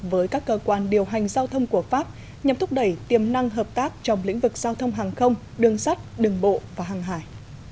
với các cơ quan điều hành giao thông của pháp nhằm thúc đẩy tiềm năng hợp tác trong lĩnh vực giao thông hàng không đường sắt đường bộ và hàng hải